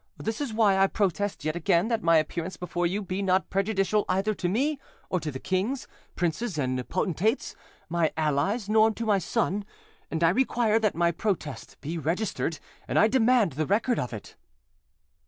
This is why I protest yet again that my appearance before you be not prejudicial either to me, or to the kings, princes and potentates, my allies, nor to my son, and I require that my protest be registered, and I demand the record of it."